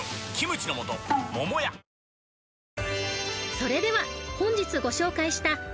［それでは本日ご紹介した］うわ！えっ。